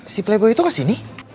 si playboy tuh kesini